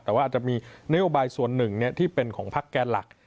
แต่ว่าอาจจะมีนโยบายส่วนหนึ่งที่เป็นของพักแกนหลัก